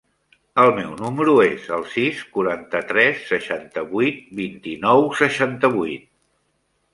El meu número es el sis, quaranta-tres, seixanta-vuit, vint-i-nou, seixanta-vuit.